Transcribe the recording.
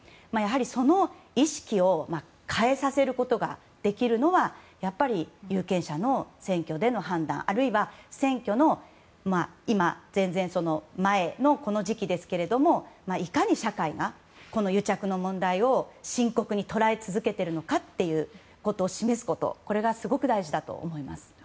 その意識を変えさせることができるのはやっぱり有権者の選挙での判断あるいは今、全然、選挙前の時期ですがいかに社会がこの癒着の問題を深刻に捉え続けているのかを示すこと、これがすごく大事だと思います。